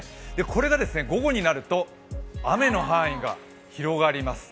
これが午後になると雨の範囲が広がります。